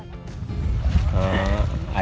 balik ditebar di rawa saat musim hujan